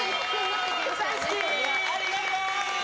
ありがとう！